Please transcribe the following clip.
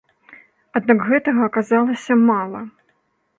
Аднак гэтага аказалася мала.